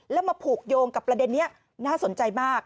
แล้วมาผูกโยงกับประเด็นนี้น่าสนใจมาก